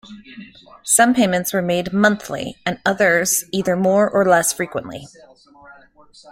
Some payments were made monthly, and others either more or less frequently.